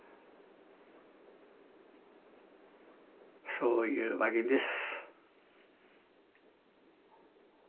そういうわけです。